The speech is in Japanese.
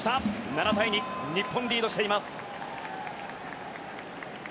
７対２、日本がリードしています。